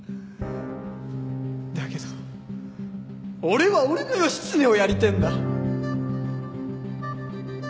だけど俺は俺の義経をやりてえんだ。